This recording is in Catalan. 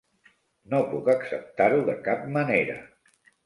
No puc acceptar-ho de cap manera.